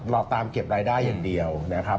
เราตามเก็บรายได้อย่างเดียวนะครับ